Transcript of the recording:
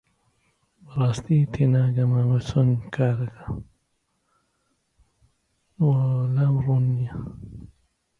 ئەفسەرەکە ناوی وابزانم ناسرپوور یان ناسری بوو